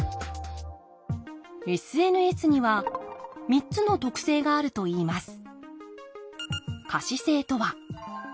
ＳＮＳには３つの特性があるといいます